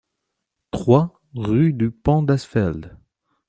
trois rue du Pont d'Asfeld